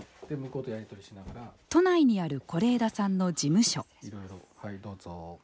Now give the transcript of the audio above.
都内にある是枝さんの事務所。